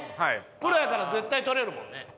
プロやから絶対捕れるもんね。